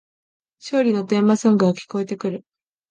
勝利のテーマソングが聞こえてくる